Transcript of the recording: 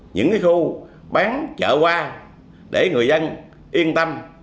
những khu bán chợ qua để người dân yên tâm